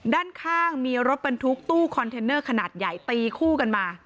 ด้านข้างมีรถบรรทุกตู้คอนเทนเนอร์ขนาดใหญ่ตีคู่กันมา